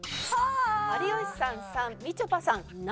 有吉さん３みちょぱさん７！